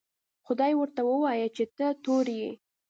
خدای ورته وویل چې ته تور یې.